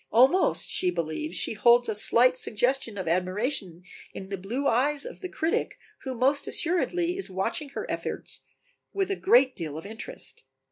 Almost she believes she beholds a slight suggestion of admiration in the blue eyes of the critic who most assuredly is watching her efforts with a great deal of interest.